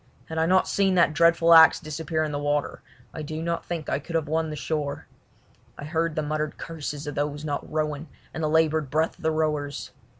Had I not seen that dreadful axe disappear in the water I do not think that I could have won the shore. I heard the muttered curses of those not rowing and the laboured breath of the rowers.